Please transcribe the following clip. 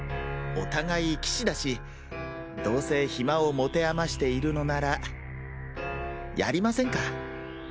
お互い棋士だしどうせヒマを持て余しているのならやりませんか？